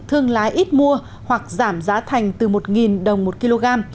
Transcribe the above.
thương lái ít mua hoặc giảm giá thành từ một đồng một kg